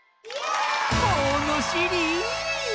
ものしり！